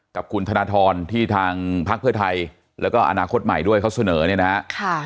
กับคุณธนทรที่ทางพักเพื่อไทยแล้วก็อนาคตใหม่ด้วยเขาเสนอเนี่ยนะฮะ